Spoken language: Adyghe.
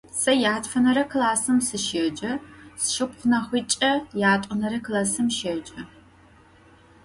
Se yatfenere klassım sışêce, sşşıpxhunahıç'e yat'onere klassım şêce.